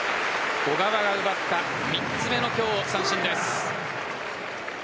小川が奪った３つ目の今日、三振です。